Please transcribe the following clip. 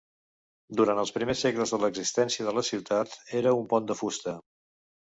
Durant els primers segles de l'existència de la ciutat, era un pont de fusta.